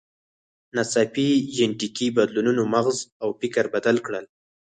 ناڅاپي جینټیکي بدلونونو مغز او فکر بدل کړل.